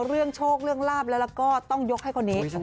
เรื่องโชคเรื่องลาบแล้วก็ต้องยกให้คนนี้